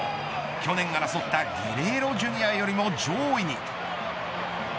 去年争ったゲレーロＪｒ．よりも上位に。